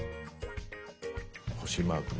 星マークね。